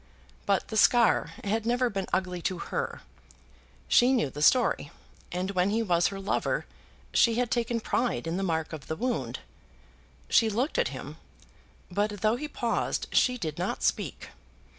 But the scar had never been ugly to her. She knew the story, and when he was her lover she had taken pride in the mark of the wound. She looked at him, but though he paused she did not speak.